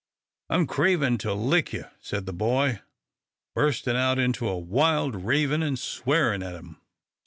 "I'm cravin' to lick you," said the boy, bursting out into a wild raving and swearing at him.